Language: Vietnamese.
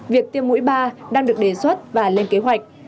việc tiêm mũi ba đang được đề xuất và lên kế hoạch